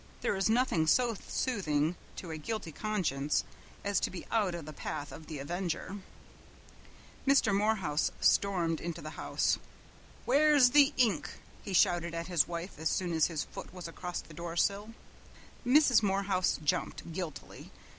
There is nothing so soothing to a guilty conscience as to be out of the path of the avenger. Mr. Morehouse stormed into the house. "Where's the ink?" he shouted at his wife as soon as his foot was across the doorsill. Mrs. Morehouse jumped, guiltily.